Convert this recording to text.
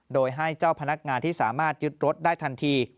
โดยให้เจ้าพนักงานที่สามารถยึดรถได้ทันที